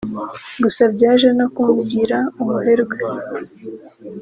gusa byaje no kumugira umuherwe